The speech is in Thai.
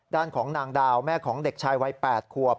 ด้านของนางดาวแม่ของเด็กชายวัย๘ขวบ